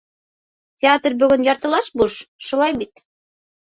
Театр бөгөн яртылаш буш, шулай бит?